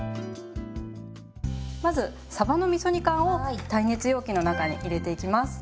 まずさばのみそ煮缶を耐熱容器の中に入れていきます。